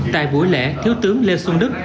tại buổi lễ thiếu tướng lê xuân đức